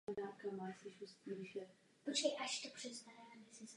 Po vystudování University of Missouri pracovala jako učitelka hudby na základní škole.